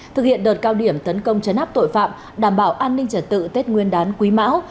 thực hiện đợt cao điểm tấn công chấn áp tội phạm đảm bảo an ninh trật tự tết nguyên đán quý mão